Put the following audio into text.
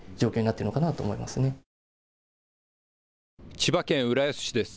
千葉県浦安市です。